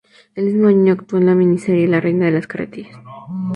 El mismo año actuó en la miniserie "La reina de las carretillas".